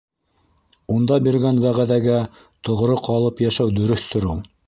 Унда биргән вәғәҙәгә тоғро ҡалып йәшәү дөрөҫтөр ул.